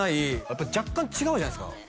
やっぱり若干違うじゃないですか